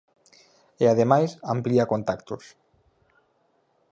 E ademais, amplía contactos...